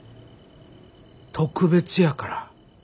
特別やから。